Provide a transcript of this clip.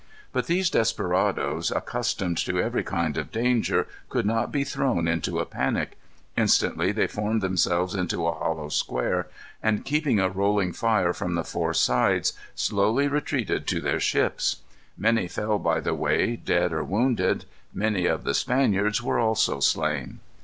But these desperadoes, accustomed to every kind of danger, could not be thrown into a panic. Instantly they formed themselves into a hollow square, and keeping a rolling fire from the four sides, slowly retreated to their ships. Many fell by the way, dead or wounded. Many of the Spaniards were also slain.